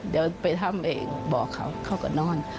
เดี๋ยวไปทำเองบอกเขาเขาก็นอน